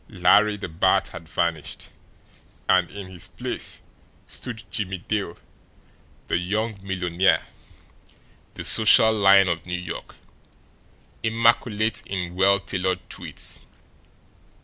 Larry the Bat had vanished, and in his place stood Jimmie Dale, the young millionaire, the social lion of New York, immaculate in well tailored tweeds.